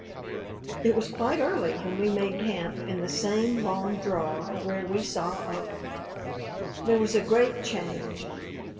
It was quite early when we made camp in the same long draw where we saw Olaf. There was a great change.